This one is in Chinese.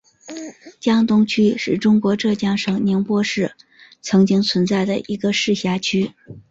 江东区是中国浙江省宁波市曾经存在的一个市辖区。